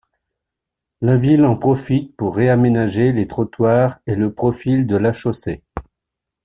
La ville en profite pour réaménager les trottoirs et le profil de la chaussée.